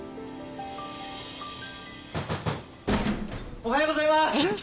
おはようございます！